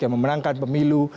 yang memenangkan pemilu